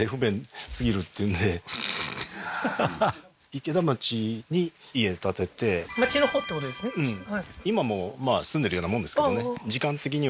池田町に家建てて町のほうってことですね